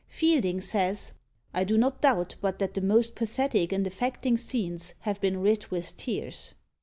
Fielding says, "I do not doubt but that the most pathetic and affecting scenes have been writ with tears."